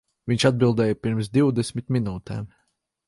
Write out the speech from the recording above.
Viņš atbildēja pirms divdesmit minūtēm.